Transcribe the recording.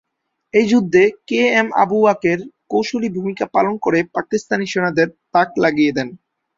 এই যুদ্ধে K M Abu Baker কৌশলী ভূমিকা পালন করে পাকিস্তানি সেনাদের তাক লাগিয়ে দেন।